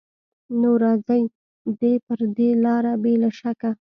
نو راځي دې پر دې لاره بې له شکه